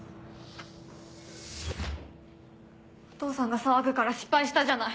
お父さんが騒ぐから失敗したじゃない。